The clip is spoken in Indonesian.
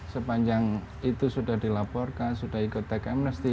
sepanjang itu sudah dilaporkan sudah ikut tax amnesty